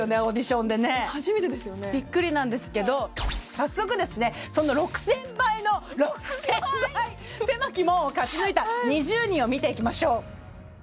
早速ですねその６０００倍の６０００倍！狭き門を勝ち抜いた２０人を見ていきましょう。